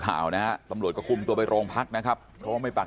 ข่าวนะฮะตำรวจก็คุมตัวไปโรงพักนะครับเพราะว่าไม่ไป